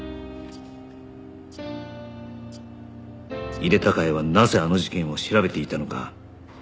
井手孝也はなぜあの事件を調べていたのか